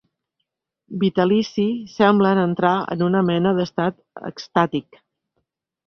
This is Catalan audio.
Vitalici semblen entrar en una mena d'estat extàtic.